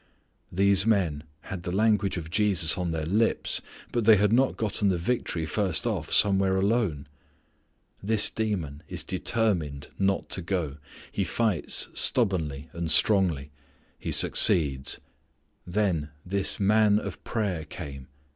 These men had the language of Jesus on their lips, but they had not gotten the victory first off somewhere alone. This demon is determined not to go. He fights stubbornly and strongly. He succeeds. Then this Man of Prayer came.